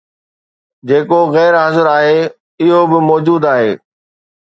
جيڪو غير حاضر آهي اهو به موجود آهي